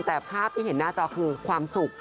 แต่ภาพที่เห็นหน้าจอคือความสุข